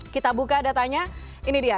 kita buka datanya ini dia